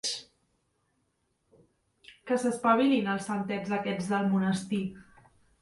Que s'espavilin els santets aquests del monestir.